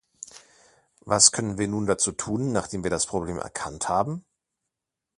Was können wir nun dazu tun, nachdem wir das Problem erkannt haben?